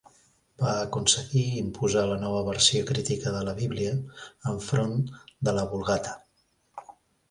Va aconseguir imposar la nova versió crítica de la Bíblia enfront de la Vulgata.